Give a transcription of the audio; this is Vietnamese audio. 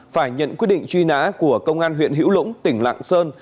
phải nhận quyết định truy nã của công an huyện hữu lũng tỉnh lạng sơn